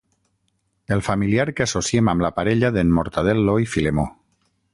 El familiar que associem amb la parella d'en Mortadel·lo i Filemó.